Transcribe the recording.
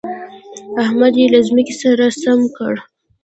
احمد يې له ځمکې سره سم کړ.